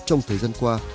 trong thời gian qua